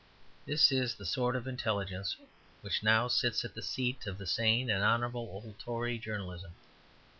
This is the sort of intelligence which now sits in the seat of the sane and honourable old Tory journalism.